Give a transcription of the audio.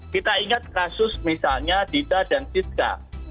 kita ingat kasus misalnya dita dan sizka